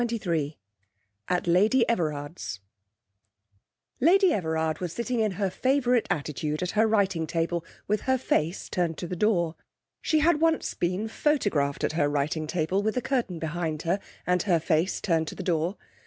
CHAPTER XXIII At Lady Everard's Lady Everard was sitting in her favourite attitude at her writing table, with her face turned to the door. She had once been photographed at her writing table, with a curtain behind her, and her face turned to the door.